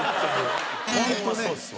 ホントそうですわ。